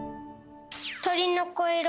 とりのこいろ。